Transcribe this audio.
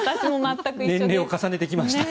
年齢を重ねてきました。